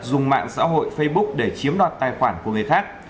dùng mạng xã hội facebook để chiếm đoạt tài khoản của người khác